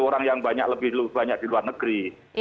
orang yang banyak lebih banyak di luar negeri